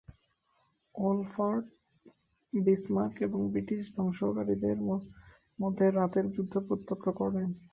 Wohlfarth "Bismarck" এবং ব্রিটিশ ধ্বংসকারীদের মধ্যে রাতের যুদ্ধ প্রত্যক্ষ করেন।